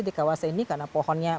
di kawasan ini karena pohonnya